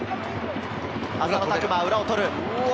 浅野拓磨、裏を取る。